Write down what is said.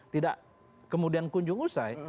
tidak kemudian kunjung usai